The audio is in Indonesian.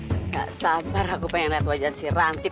ketika ini juga apa yang p simplicity nya menunjangi